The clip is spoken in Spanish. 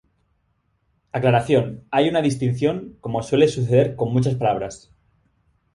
Aclaración: hay una distinción, como suele suceder con muchas palabras.